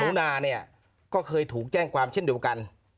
คือหนุนานี่ก็เคยถูกแจ้งความเท็จเดียวกัน